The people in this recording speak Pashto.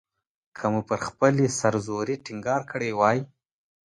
که مو پر خپلې سر زورۍ ټینګار کړی وای.